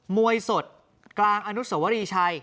มวยสดกลางอนุสวรีชัย